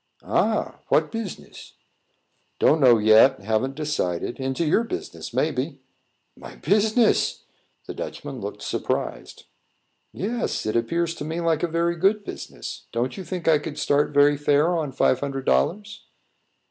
"Ah! what business?" "Don't know yet; haven't decided. Into your business, maybe." "My business!" The Dutchman looked surprised. "Yes; it appears to me like a very good business. Don't you think I could start very fair on five hundred dollars?"